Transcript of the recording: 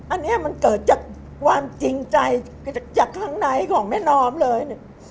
อันนี้มันเกิดจากความจริงใจจากข้างในของแม่นอมเลยเนี่ย